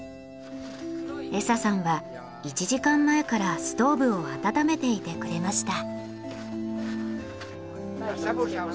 エサさんは１時間前からストーブを温めていてくれました。